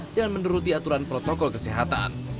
dengan menuruti aturan protokol kesehatan